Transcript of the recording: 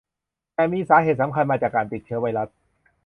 แต่มีสาเหตุสำคัญมาจากการติดเชื้อไวรัส